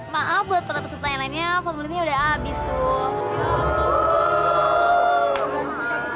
maaf buat para peserta yang lainnya favoritnya udah habis tuh